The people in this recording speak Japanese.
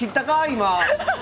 今。